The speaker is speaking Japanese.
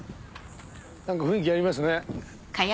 雰囲気ありますね。